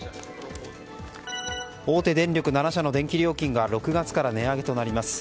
大手電力７社の電気料金が６月から値上げとなります。